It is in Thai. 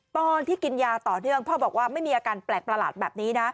ตอนที่กินยาต่อเนื่องพ่อบอกว่าไม่มีอาการแปลกประหลาดแบบนี้นะ